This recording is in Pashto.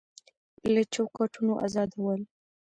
له چوکاټونو ازادول